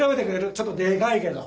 ちょっとでかいけど。